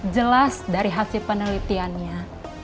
jelas dari hasil penelitiannya